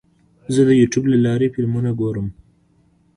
زه د یوټیوب له لارې فلمونه ګورم.